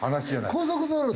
高速道路